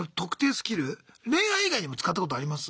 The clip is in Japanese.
スキル恋愛以外にも使ったことあります？